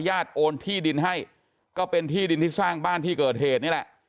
โอนที่ดินให้ก็เป็นที่ดินที่สร้างบ้านที่เกิดเหตุนี่แหละ